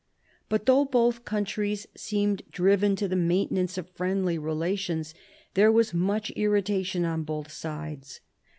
But though both countries seemed driven to the maintenance of friendly relations, there was much irritation on both sides.